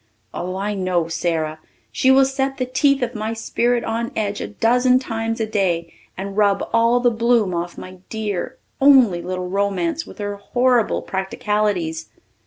Oh, I know Sara! She will set the teeth of my spirit on edge a dozen times a day and rub all the bloom off my dear, only, little romance with her horrible practicalities.